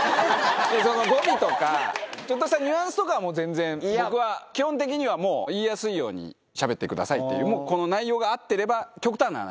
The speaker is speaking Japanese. その語尾とか、ちょっとしたニュアンスとかは全然、僕は、基本的にはもう言いやすいようにしゃべってくださいって、もうこの内容が合ってれば、極端な話。